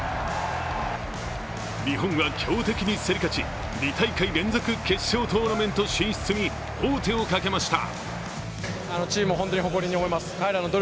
日本は強敵に競り勝ち、２大会連続決勝トーナメント進出に王手をかけました。